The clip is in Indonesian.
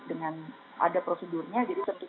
dengan ada prosedurnya jadi tentu